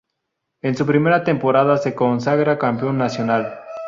En su primera temporada se consagra campeón nacional.